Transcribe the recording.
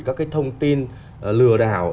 các cái thông tin lừa đảo